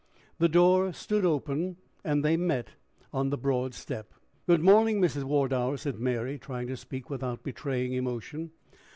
The door stood open, and they met on the broad step. "Good morning, Mrs. Wardour," said Mary, trying to speak without betraying emotion.